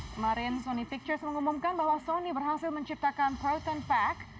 kemarin sony pictures mengumumkan bahwa sony berhasil menciptakan proton pack